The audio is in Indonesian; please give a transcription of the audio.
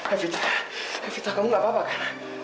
evita evita kamu gak apa apa kan